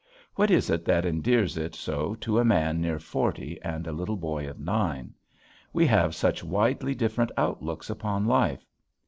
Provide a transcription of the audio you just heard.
What is it that endears it so to a man near forty and a little boy of nine? We have such widely different outlooks upon life.